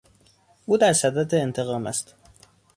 او در صدد انتقام است.